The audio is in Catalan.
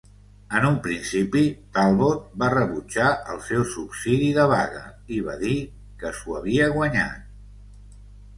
En un principi, Talbot va rebutjar el seu subsidi de vaga i va dir que s'ho havia guanyat.